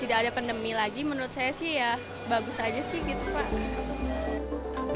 tidak ada pandemi lagi menurut saya sih ya bagus aja sih gitu pak